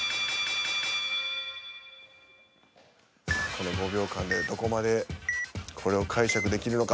この５秒間でどこまでこれを解釈できるのか。